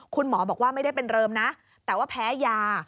คุณหมอบอกว่าไม่ได้เป็นเริมนะแต่ว่าแพ้ยา